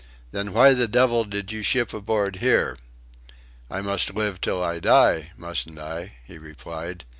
"Then why the devil did you ship aboard here?" "I must live till I die mustn't I?" he replied.